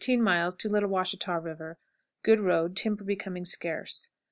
Little Washita River. Good road; timber becoming scarce.